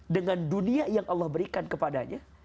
dengan dunia yang allah berikan kepadanya